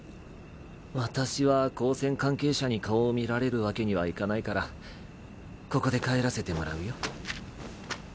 私は高専関係者に顔を見られるわけにはいかないからここで帰らせてもらうよ。